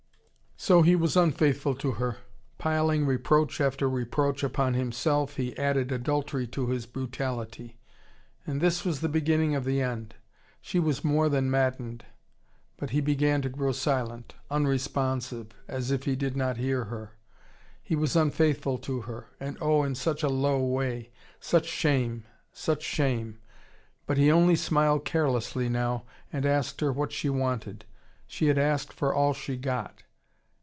So, he was unfaithful to her. Piling reproach after reproach upon himself, he added adultery to his brutality. And this was the beginning of the end. She was more than maddened: but he began to grow silent, unresponsive, as if he did not hear her. He was unfaithful to her: and oh, in such a low way. Such shame, such shame! But he only smiled carelessly now, and asked her what she wanted. She had asked for all she got.